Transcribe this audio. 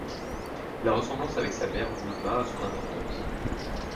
La ressemblance avec sa mère Bulma a son importance.